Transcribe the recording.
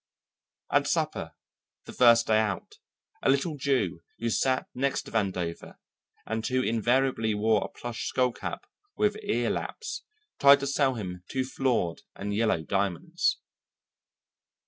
At supper, the first day out, a little Jew who sat next to Vandover, and who invariably wore a plush skull cap with ear laps, tried to sell him two flawed and yellow diamonds.